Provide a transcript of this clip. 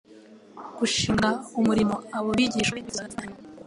Gushinga umurimo abo abigishwa be bifuzaga gufatanya nabo,